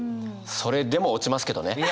それでも落ちますけどね！